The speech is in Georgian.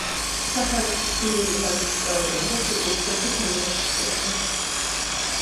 საჰარაში წლიური ნალექის რაოდენობა სულ ოცდახუთი მილიმეტრს შეადგენს